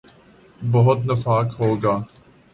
بہت نفاق ہو گا۔